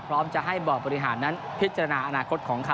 พร้อมจะให้บ่อบริหารนั้นพิจารณาอนาคตของเขา